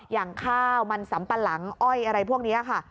อย่างข้าวมันสำปะหลังอ้อยอะไรพวกนี้ค่ะ